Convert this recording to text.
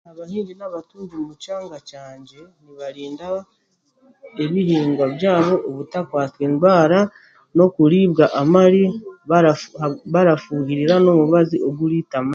Abahingi n'abatungi omu kyanga kyangye nibarinda ebihingwa byabo obutakwata endwara n'okuribwa amari barafuhirira n'omubazi oguraita